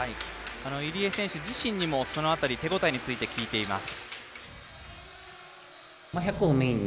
入江選手自身にもその辺り手応えについて聞いています。